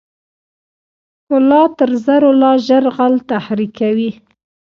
ښکلا تر زرو لا ژر غل تحریکوي.